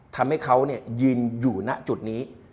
ทำให้เขายืนอยู่ณจุดนี้